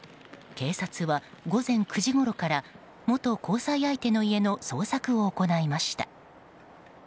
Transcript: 警察は午前９時ごろから元交際相手の家の捜索を行いました。